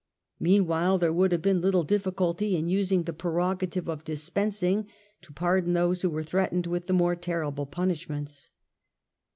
Meanwhile there would have been little difficulty in using the "Prerogative of Dispensing" to pardon those who were threatened with the more terrible punishments.